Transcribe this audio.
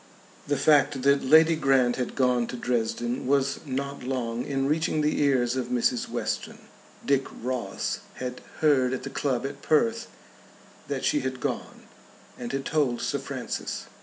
The fact that Lady Grant had gone to Dresden was not long in reaching the ears of Mrs. Western. Dick Ross had heard at the club at Perth that she had gone, and had told Sir Francis.